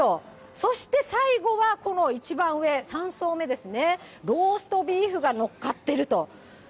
そして最後はこの一番上、３層目ですね、ローストビーフがのっかってると。